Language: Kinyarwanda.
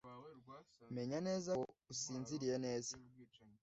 Menya neza ko usinziriye neza.